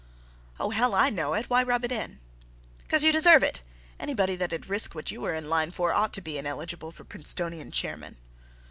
"Oh, hell, I know it. Why rub it in?" "'Cause you deserve it. Anybody that'd risk what you were in line for ought to be ineligible for Princetonian chairman."